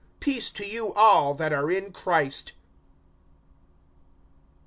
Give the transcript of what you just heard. Peace to you all, that are in Christ.